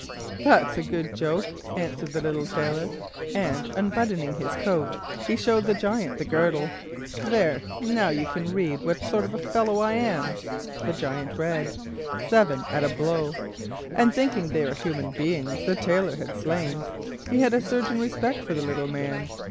"That's a good joke," answered the little Tailor, and unbuttoning his coat he showed the Giant the girdle. "There, now, you can read what sort of a fellow I am." The Giant read: "Seven at a blow," and thinking they were human beings the Tailor had slain, he had a certain respect for the little man.